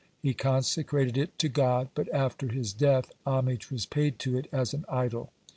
He consecrated it to God, but after his death homage was paid to it as an idol.